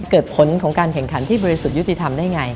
เกิดผลของการแข่งขันที่บริสุทธิ์ยุติธรรมได้ไง